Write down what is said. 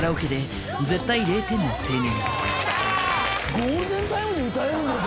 ゴールデンタイムで歌えるんだぜ。